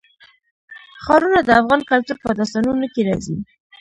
ښارونه د افغان کلتور په داستانونو کې راځي.